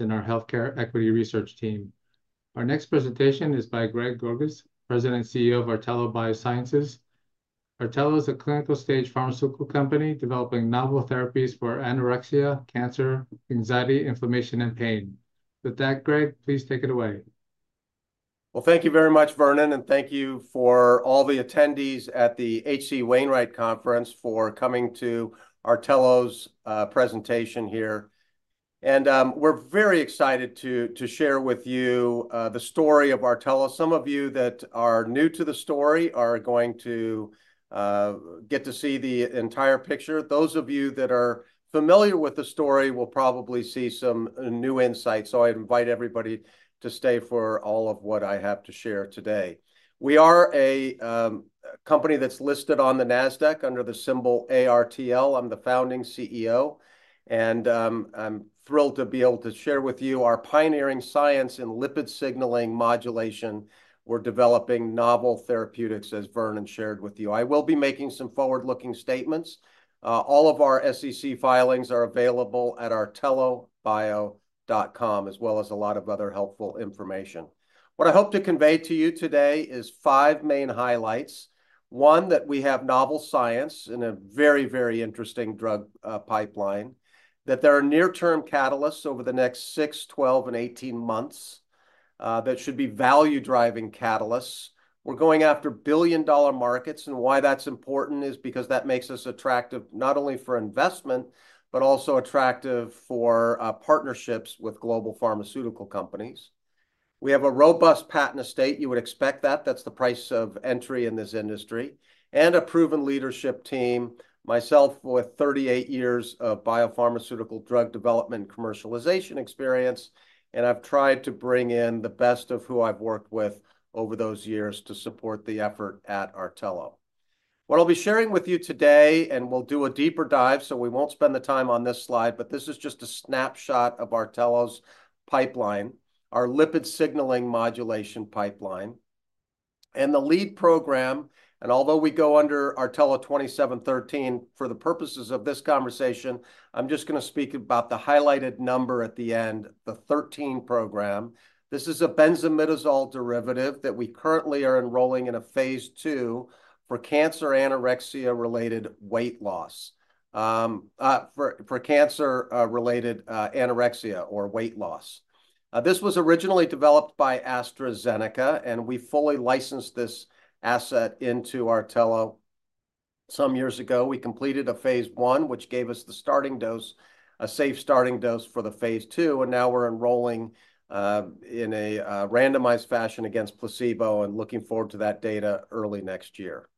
in our healthcare equity research team. Our next presentation is by Greg Gorgas, President and CEO of Artelo Biosciences. Artelo is a clinical stage pharmaceutical company developing novel therapies for anorexia, cancer, anxiety, inflammation, and pain. With that, Greg, please take it away. Thank you very much, Vernon, and thank you for all the attendees at the H.C. Wainwright Conference for coming to Artelo's presentation here. We're very excited to share with you the story of Artelo. Some of you that are new to the story are going to get to see the entire picture. Those of you that are familiar with the story will probably see some new insights, so I invite everybody to stay for all of what I have to share today. We are a company that's listed on the Nasdaq under the symbol ARTL. I'm the founding CEO, and I'm thrilled to be able to share with you our pioneering science in lipid signaling modulation. We're developing novel therapeutics, as Vernon shared with you. I will be making some forward-looking statements. All of our SEC filings are available at artelobio.com, as well as a lot of other helpful information. What I hope to convey to you today is five main highlights. One, that we have novel science and a very, very interesting drug pipeline. That there are near-term catalysts over the next six, 12, and 18 months that should be value-driving catalysts. We're going after billion-dollar markets, and why that's important is because that makes us attractive, not only for investment, but also attractive for partnerships with global pharmaceutical companies. We have a robust patent estate. You would expect that. That's the price of entry in this industry. And a proven leadership team, myself with 38 years of biopharmaceutical drug development and commercialization experience, and I've tried to bring in the best of who I've worked with over those years to support the effort at Artelo. What I'll be sharing with you today, and we'll do a deeper dive, so we won't spend the time on this slide, but this is just a snapshot of Artelo's pipeline, our lipid signaling modulation pipeline, and the lead program, although we go under ART-2713, for the purposes of this conversation, I'm just gonna speak about the highlighted number at the end, the 13 program. This is a benzimidazole derivative that we currently are enrolling in a phase 2 for cancer anorexia-related weight loss for cancer related anorexia or weight loss. This was originally developed by AstraZeneca, and we fully licensed this asset into Artelo some years ago. We completed a phase 1, which gave us the starting dose, a safe starting dose for the phase 2, and now we're enrolling in a randomized fashion against placebo and looking forward to that data early next year.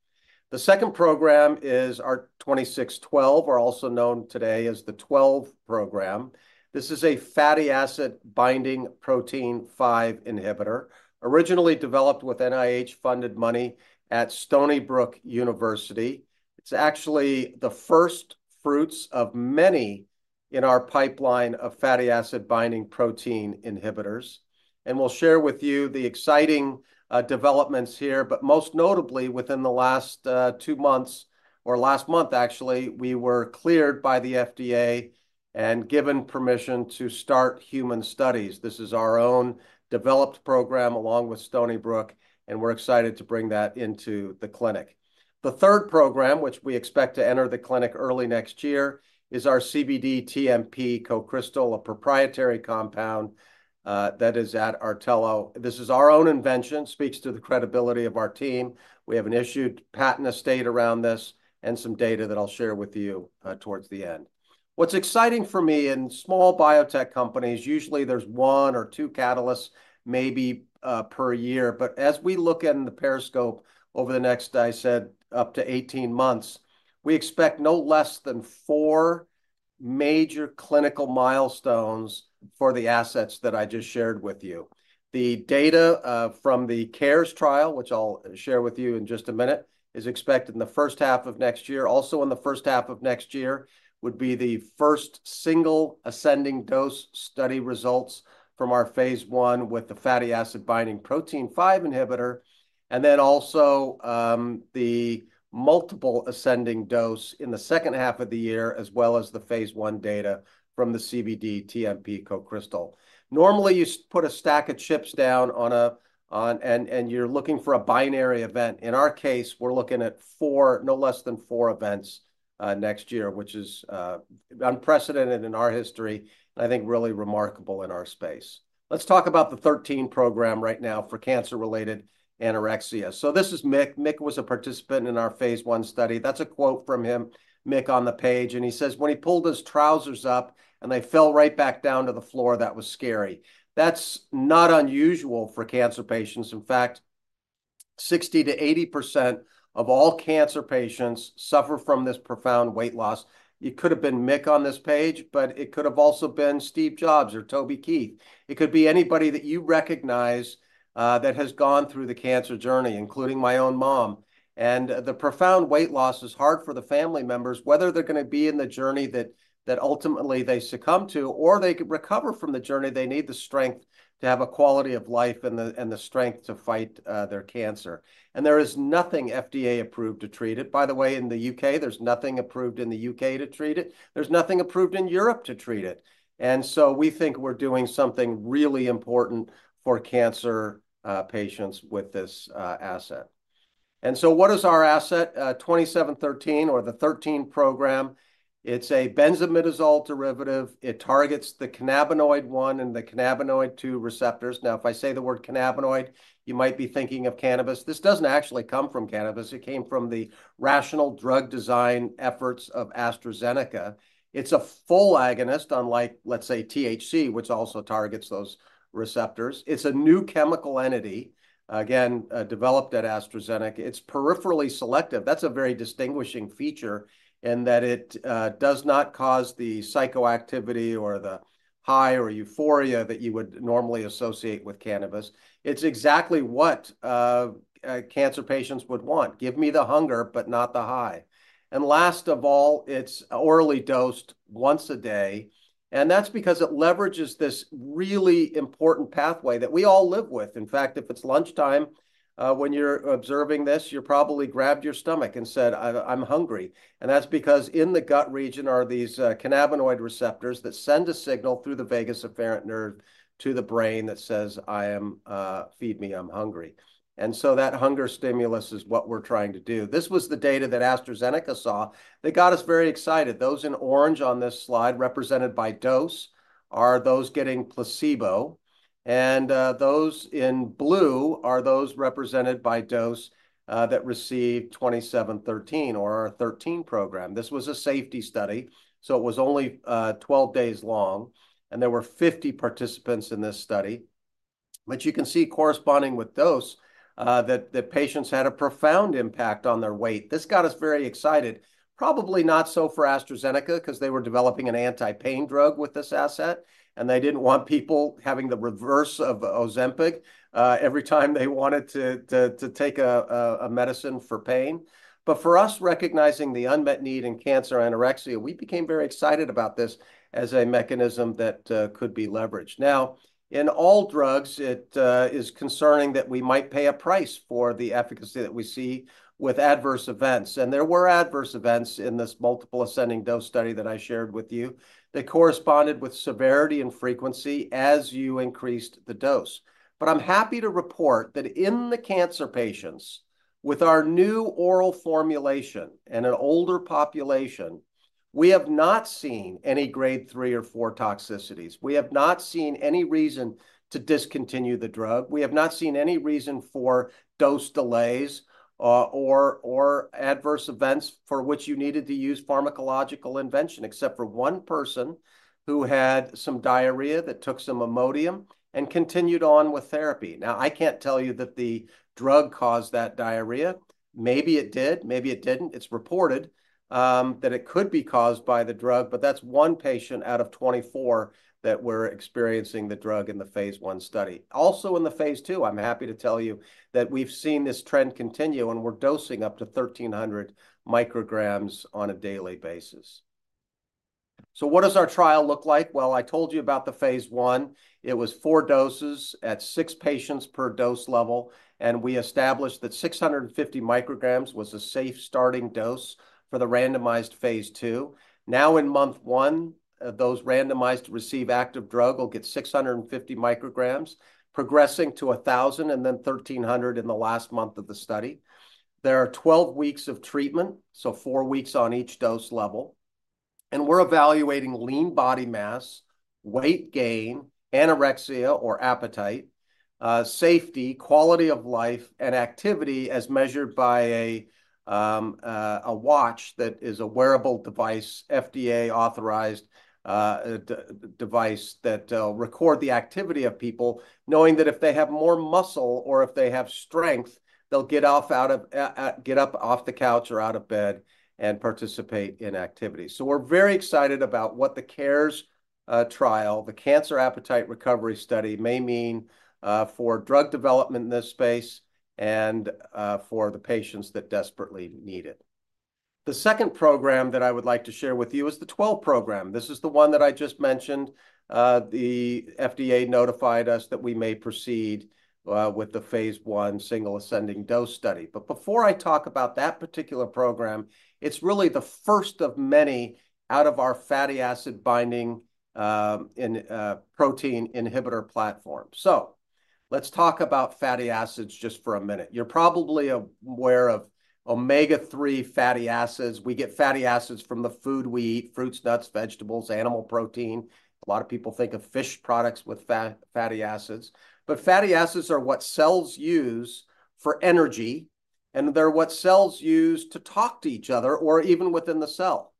The second program is our 2612, or also known today as the 12 program. This is a fatty acid-binding protein 5 inhibitor, originally developed with NIH-funded money at Stony Brook University. It's actually the first fruits of many in our pipeline of fatty acid-binding protein inhibitors, and we'll share with you the exciting developments here. But most notably, within the last two months, or last month actually, we were cleared by the FDA and given permission to start human studies. This is our own developed program, along with Stony Brook, and we're excited to bring that into the clinic. The third program, which we expect to enter the clinic early next year, is our CBD-TMP co-crystal, a proprietary compound, that is at Artelo. This is our own invention, speaks to the credibility of our team. We have an issued patent estate around this, and some data that I'll share with you, towards the end. What's exciting for me, in small biotech companies, usually there's one or two catalysts, maybe, per year. But as we look in the periscope over the next, I said, up to 18 months, we expect no less than four major clinical milestones for the assets that I just shared with you. The data, from the CARES trial, which I'll share with you in just a minute, is expected in the first half of next year. In the first half of next year would be the first single ascending-dose study results from our phase 1 with the fatty acid-binding protein 5 inhibitor, and then also the multiple ascending dose in the second half of the year, as well as the phase 1 data from the CBD-TMP co-crystal. Normally, you put a stack of chips down on a and you're looking for a binary event. In our case, we're looking at four, no less than four events next year, which is unprecedented in our history, and I think really remarkable in our space. Let's talk about the 13 program right now for cancer-related anorexia. So this is Mick. Mick was a participant in our phase 1 study. That's a quote from him, Mick, on the page, and he says, when he pulled his trousers up and they fell right back down to the floor, "That was scary." That's not unusual for cancer patients. In fact, 60%-80% of all cancer patients suffer from this profound weight loss. It could have been Mick on this page, but it could have also been Steve Jobs or Toby Keith. It could be anybody that you recognize that has gone through the cancer journey, including my own mom. And the profound weight loss is hard for the family members, whether they're gonna be in the journey that ultimately they succumb to, or they could recover from the journey. They need the strength to have a quality of life and the strength to fight their cancer. And there is nothing FDA-approved to treat it. By the way, in the U.K., there's nothing approved in the U.K. to treat it. There's nothing approved in Europe to treat it, and so we think we're doing something really important for cancer patients with this asset. And so what is our asset? 2713, or the 13 program, it's a benzimidazole derivative. It targets the cannabinoid one and the cannabinoid two receptors. Now, if I say the word cannabinoid, you might be thinking of cannabis. This doesn't actually come from cannabis. It came from the rational drug design efforts of AstraZeneca. It's a full agonist, unlike, let's say, THC, which also targets those receptors. It's a new chemical entity, again developed at AstraZeneca. It's peripherally selective. That's a very distinguishing feature, in that it does not cause the psychoactivity or the high or euphoria that you would normally associate with cannabis. It's exactly what cancer patients would want. "Give me the hunger, but not the high." And last of all, it's orally dosed once a day, and that's because it leverages this really important pathway that we all live with. In fact, if it's lunchtime, when you're observing this, you probably grabbed your stomach and said, "I, I'm hungry," and that's because in the gut region are these cannabinoid receptors that send a signal through the vagus afferent nerve to the brain that says, "I am-- feed me, I'm hungry." And so that hunger stimulus is what we're trying to do. This was the data that AstraZeneca saw, that got us very excited. Those in orange on this slide, represented by dose, are those getting placebo, and those in blue are those represented by dose that received 2713, or our 13 program. This was a safety study, so it was only 12 days long, and there were 50 participants in this study. But you can see corresponding with dose that patients had a profound impact on their weight. This got us very excited, probably not so for AstraZeneca, 'cause they were developing an anti-pain drug with this asset, and they didn't want people having the reverse of Ozempic every time they wanted to take a medicine for pain. But for us, recognizing the unmet need in cancer anorexia, we became very excited about this as a mechanism that could be leveraged. Now, in all drugs, it is concerning that we might pay a price for the efficacy that we see with adverse events, and there were adverse events in this multiple ascending dose study that I shared with you, that corresponded with severity and frequency as you increased the dose. But I'm happy to report that in the cancer patients, with our new oral formulation and an older population, we have not seen any Grade three or four toxicities. We have not seen any reason to discontinue the drug. We have not seen any reason for dose delays, or adverse events for which you needed to use pharmacological intervention, except for one person who had some diarrhea, that took some Imodium and continued on with therapy. Now, I can't tell you that the drug caused that diarrhea. Maybe it did, maybe it didn't. It's reported that it could be caused by the drug, but that's one patient out of 24 that were experiencing the drug in the phase 1 study. Also in the phase 2, I'm happy to tell you that we've seen this trend continue, and we're dosing up to 1,300 micrograms on a daily basis. So what does our trial look like? Well, I told you about the phase 1. It was four doses at six patients per dose level, and we established that 650 micrograms was a safe starting dose for the randomized phase 2. Now, in month one, those randomized to receive active drug will get 650 micrograms, progressing to 1,000, and then 1,300 in the last month of the study. There are twelve weeks of treatment, so four weeks on each dose level, and we're evaluating lean body mass, weight gain, anorexia or appetite, safety, quality of life, and activity as measured by a watch that is a wearable device, FDA-authorized device, that record the activity of people, knowing that if they have more muscle or if they have strength, they'll get up off the couch or out of bed and participate in activities. So we're very excited about what the CARES trial, the Cancer Appetite Recovery Study, may mean for drug development in this space and for the patients that desperately need it. The second program that I would like to share with you is the 12 program. This is the one that I just mentioned. The FDA notified us that we may proceed with the phase 1 single ascending dose study. But before I talk about that particular program, it's really the first of many out of our fatty acid-binding protein inhibitor platform. So let's talk about fatty acids just for a minute. You're probably aware of omega-3 fatty acids. We get fatty acids from the food we eat: fruits, nuts, vegetables, animal protein. A lot of people think of fish products with fatty acids, but fatty acids are what cells use for energy, and they're what cells use to talk to each other or even within the cell.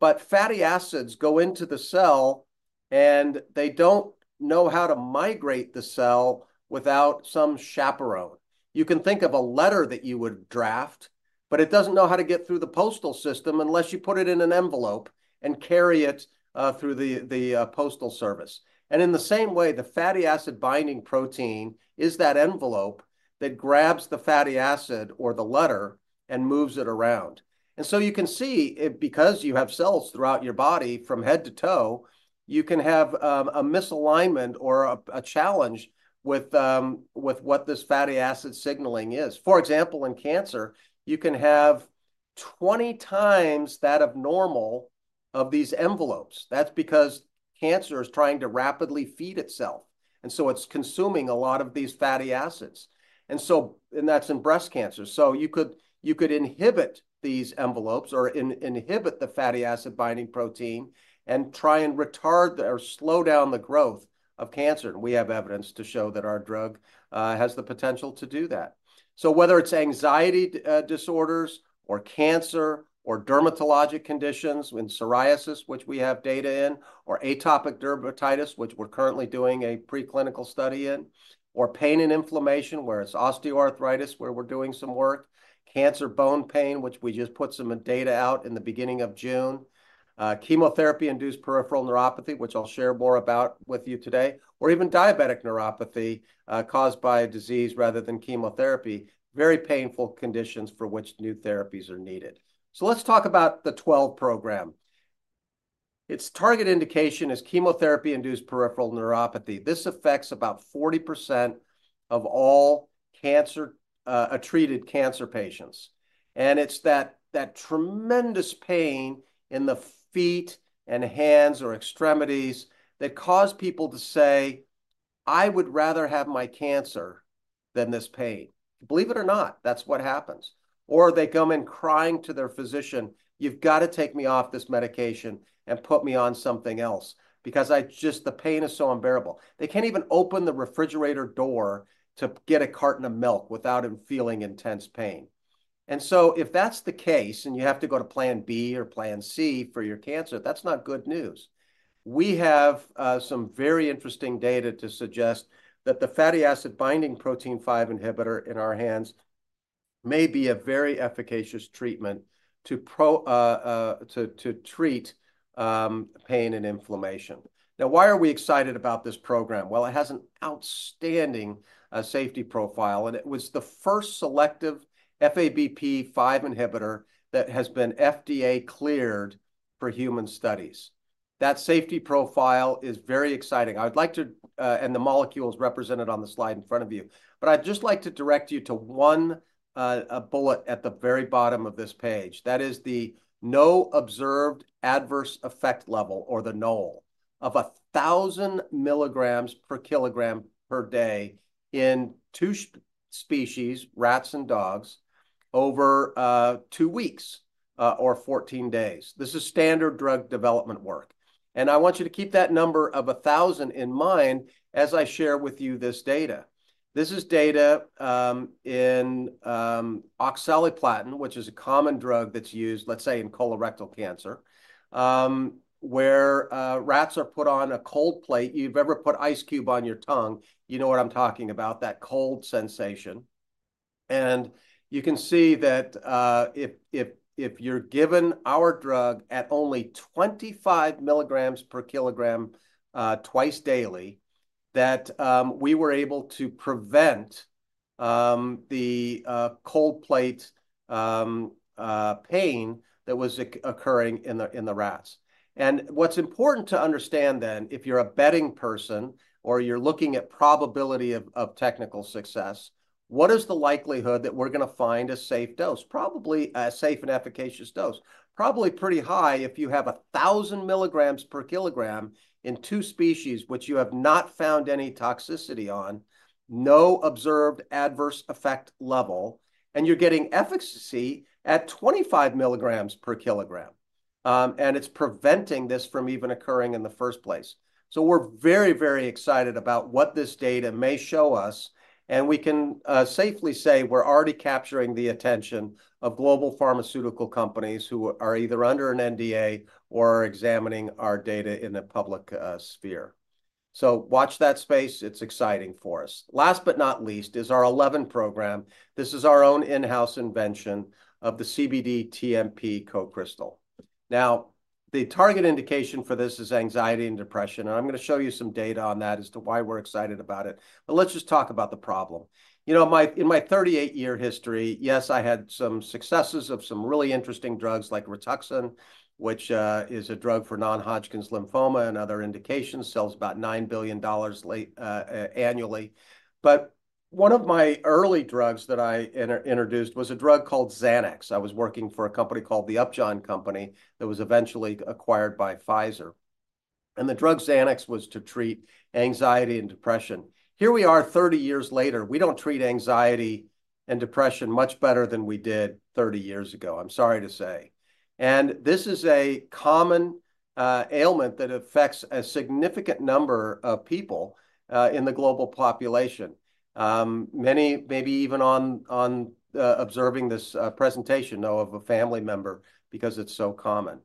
But fatty acids go into the cell, and they don't know how to migrate the cell without some chaperone. You can think of a letter that you would draft, but it doesn't know how to get through the postal system unless you put it in an envelope and carry it through the postal service. And in the same way, the fatty acid-binding protein is that envelope that grabs the fatty acid or the letter and moves it around. And so you can see, because you have cells throughout your body from head to toe, you can have a misalignment or a challenge with what this fatty acid signaling is. For example, in cancer, you can have 20 times that of normal of these envelopes. That's because cancer is trying to rapidly feed itself, and so it's consuming a lot of these fatty acids. And so, that's in breast cancer. You could inhibit these envelopes or inhibit the fatty acid-binding protein and try and retard or slow down the growth of cancer. We have evidence to show that our drug has the potential to do that. Whether it's anxiety disorders or cancer or dermatologic conditions, in psoriasis, which we have data in, or atopic dermatitis, which we're currently doing a preclinical study in, or pain and inflammation, where it's osteoarthritis, where we're doing some work, cancer bone pain, which we just put some data out in the beginning of June, chemotherapy-induced peripheral neuropathy, which I'll share more about with you today, or even diabetic neuropathy caused by a disease rather than chemotherapy, very painful conditions for which new therapies are needed. Let's talk about the 12 program. Its target indication is chemotherapy-induced peripheral neuropathy. This affects about 40% of all cancer, treated cancer patients, and it's that tremendous pain in the feet and hands or extremities that cause people to say, "I would rather have my cancer than this pain." Believe it or not, that's what happens. Or they come in crying to their physician, "You've got to take me off this medication and put me on something else because I just... the pain is so unbearable." They can't even open the refrigerator door to get a carton of milk without them feeling intense pain. And so if that's the case, and you have to go to plan B or plan C for your cancer, that's not good news. We have some very interesting data to suggest that the fatty acid-binding protein 5 inhibitor in our hands may be a very efficacious treatment to treat pain and inflammation. Now, why are we excited about this program? Well, it has an outstanding safety profile, and it was the first selective FABP5 inhibitor that has been FDA-cleared for human studies. That safety profile is very exciting. I would like to... And the molecule is represented on the slide in front of you. But I'd just like to direct you to one bullet at the very bottom of this page. That is the no observed adverse effect level, or the NOAEL, of a thousand milligrams per kilogram per day in two species, rats and dogs, over two weeks or 14 days. This is standard drug development work, and I want you to keep that number of a thousand in mind as I share with you this data. This is data in oxaliplatin, which is a common drug that's used, let's say, in colorectal cancer, where rats are put on a cold plate. You've ever put ice cube on your tongue, you know what I'm talking about, that cold sensation. And you can see that if you're given our drug at only 25 milligrams per kilogram twice daily, that we were able to prevent the cold plate pain that was occurring in the rats. And what's important to understand then, if you're a betting person or you're looking at probability of technical success, what is the likelihood that we're gonna find a safe dose? Probably a safe and efficacious dose. Probably pretty high if you have a thousand milligrams per kilogram in two species, which you have not found any toxicity on, no observed adverse effect level, and you're getting efficacy at 25 milligrams per kilogram, and it's preventing this from even occurring in the first place. So we're very, very excited about what this data may show us, and we can safely say we're already capturing the attention of global pharmaceutical companies who are either under an NDA or are examining our data in a public sphere. So watch that space. It's exciting for us. Last but not least is our 11 program. This is our own in-house invention of the CBD-TMP co-crystal. Now, the target indication for this is anxiety and depression, and I'm gonna show you some data on that as to why we're excited about it. But let's just talk about the problem. You know, in my 38-year history, yes, I had some successes of some really interesting drugs like Rituxan, which is a drug for non-Hodgkin's lymphoma and other indications, sells about $9 billion annually. But one of my early drugs that I introduced was a drug called Xanax. I was working for a company called the Upjohn Company that was eventually acquired by Pfizer, and the drug Xanax was to treat anxiety and depression. Here we are, 30 years later, we don't treat anxiety and depression much better than we did 30 years ago, I'm sorry to say. And this is a common ailment that affects a significant number of people in the global population. Many, maybe even observing this presentation, know of a family member because it's so common.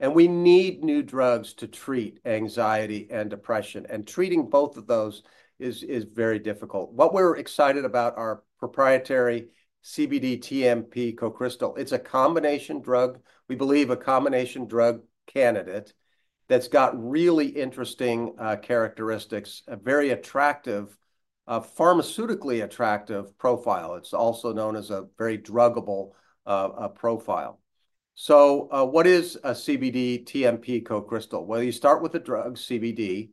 We need new drugs to treat anxiety and depression, and treating both of those is very difficult. What we're excited about, our proprietary CBD-TMP co-crystal. It's a combination drug. We believe a combination drug candidate that's got really interesting characteristics, a very attractive pharmaceutically attractive profile. It's also known as a very druggable profile. So, what is a CBD-TMP co-crystal? Well, you start with a drug, CBD,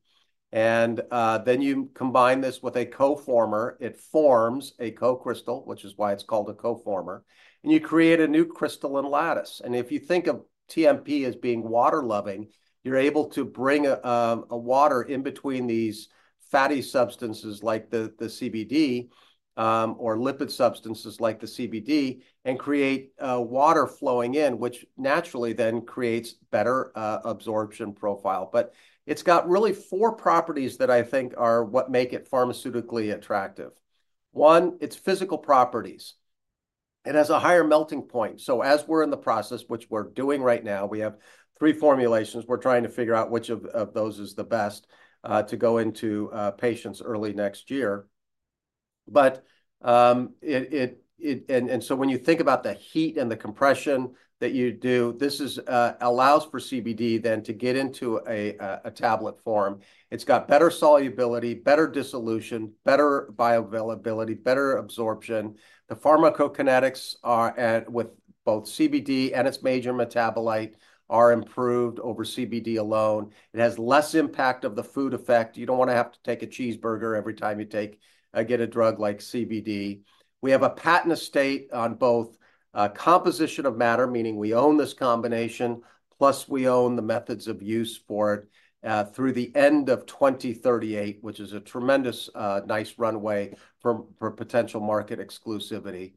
and then you combine this with a co-former. It forms a co-crystal, which is why it's called a co-former, and you create a new crystalline lattice. If you think of TMP as being water-loving, you're able to bring a water in between these fatty substances like the CBD or lipid substances like the CBD, and create water flowing in, which naturally then creates better absorption profile. But it's got really four properties that I think are what make it pharmaceutically attractive. One, its physical properties. It has a higher melting point, so as we're in the process, which we're doing right now, we have three formulations, we're trying to figure out which of those is the best to go into patients early next year, so when you think about the heat and the compression that you do, this allows for CBD then to get into a tablet form. It's got better solubility, better dissolution, better bioavailability, better absorption. The pharmacokinetics, with both CBD and its major metabolite, are improved over CBD alone. It has less impact of the food effect. You don't wanna have to take a cheeseburger every time you take a drug like CBD. We have a patent estate on both, composition of matter, meaning we own this combination, plus we own the methods of use for it, through the end of 2038, which is a tremendous, nice runway for potential market exclusivity.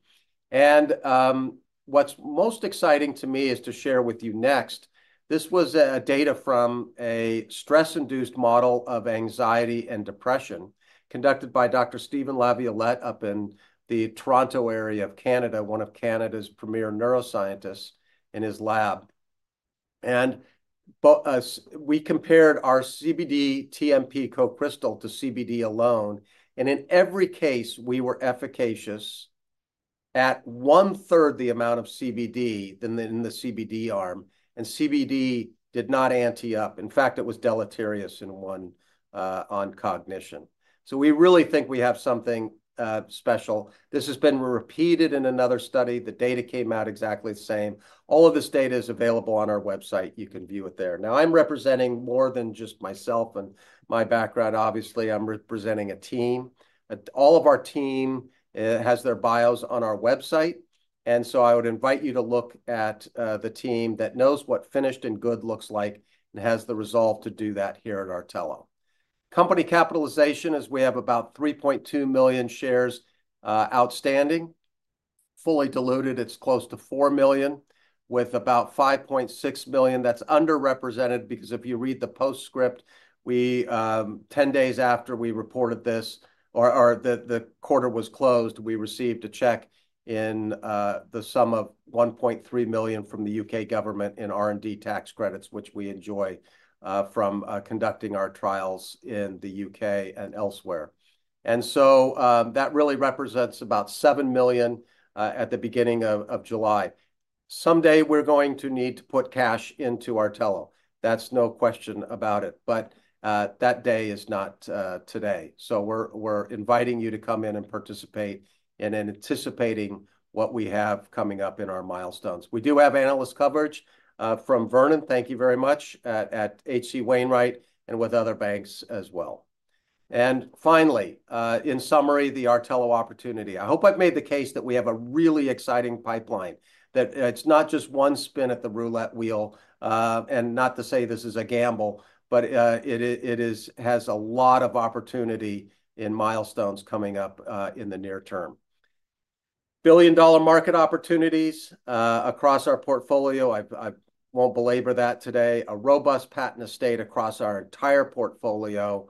What's most exciting to me is to share with you next. This was data from a stress-induced model of anxiety and depression conducted by Dr. Steven Laviolette up in the Toronto area of Canada, one of Canada's premier neuroscientists, in his lab. We compared our CBD-TMP co-crystal to CBD alone, and in every case, we were efficacious at one-third the amount of CBD than in the CBD arm, and CBD did not ante up. In fact, it was deleterious in one, on cognition. So we really think we have something, special. This has been repeated in another study. The data came out exactly the same. All of this data is available on our website. You can view it there. Now, I'm representing more than just myself and my background. Obviously, I'm representing a team. But all of our team has their bios on our website, and so I would invite you to look at the team that knows what finished and good looks like and has the resolve to do that here at Artelo. Company capitalization is we have about 3.2 million shares outstanding. Fully diluted, it's close to four million, with about $5.6 million that's underrepresented, because if you read the postscript, we, 10 days after we reported this, the quarter was closed, we received a check in the sum of $1.3 million from the U.K. government in R&D tax credits, which we enjoy from conducting our trials in the U.K. and elsewhere. And so, that really represents about $7 million at the beginning of July. Someday we're going to need to put cash into Artelo. That's no question about it, but that day is not today. So we're inviting you to come in and participate, and then anticipating what we have coming up in our milestones. We do have analyst coverage from Vernon, thank you very much, at H.C. Wainwright, and with other banks as well. And finally, in summary, the Artelo opportunity. I hope I've made the case that we have a really exciting pipeline, that it's not just one spin at the roulette wheel. And not to say this is a gamble, but it has a lot of opportunity and milestones coming up in the near term. Billion-dollar market opportunities across our portfolio. I won't belabor that today. A robust patent estate across our entire portfolio,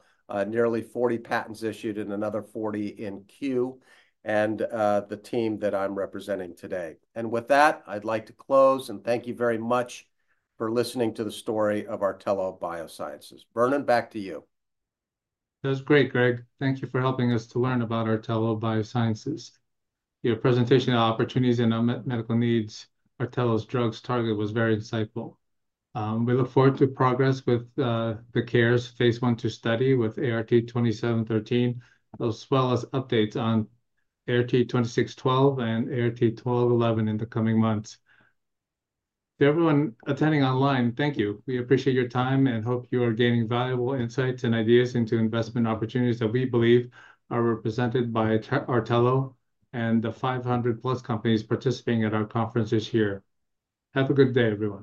nearly 40 patents issued and another 40 in queue, and the team that I'm representing today. And with that, I'd like to close, and thank you very much for listening to the story of Artelo Biosciences. Vernon, back to you. That was great, Greg. Thank you for helping us to learn about Artelo Biosciences. Your presentation on opportunities and medical needs Artelo's drugs target was very insightful. We look forward to progress with the CARES phase 1-2 study with ART-2713, as well as updates on ART-2612 and ART-1211 in the coming months. To everyone attending online, thank you. We appreciate your time and hope you are gaining valuable insights and ideas into investment opportunities that we believe are represented by Artelo, and the 500-plus companies participating at our conference this year. Have a good day, everyone.